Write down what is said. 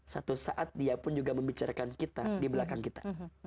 satu saat dia pun juga membicarakan kita di belakang kita